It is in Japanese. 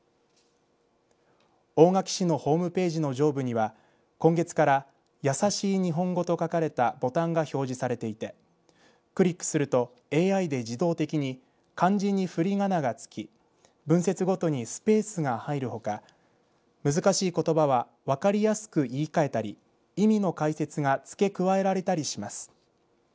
大垣市のホームページの上部には今月からやさしい日本語と書かれたボタンが表示されていてクリックするとＡＩで自動的に漢字にふりがながつき文節ごとにスペースが入るほか難しいことばは分かりやすく言いかえたり意味の解説が付け加えられたりします。